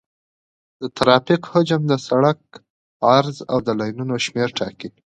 د ترافیک حجم د سرک عرض او د لینونو شمېر ټاکي